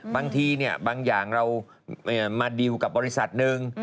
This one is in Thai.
บางทีบางอย่างเรามาดิวกับบริษัทหนึ่ง